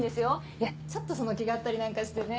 いやちょっとその気があったりなんかしてね。